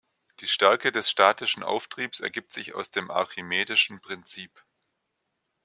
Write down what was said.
Die Stärke des statischen Auftriebs ergibt sich aus dem archimedischen Prinzip.